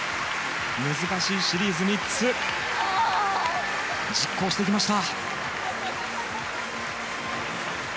難しいシリーズ３つを実行してきました。